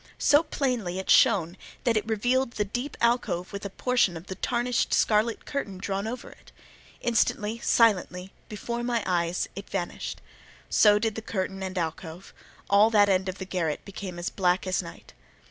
So plainly it shone, that it revealed the deep alcove with a portion of the tarnished scarlet curtain drawn over it. Instantly, silently, before my eyes, it vanished; so did the curtain and alcove: all that end of the garret became black as night.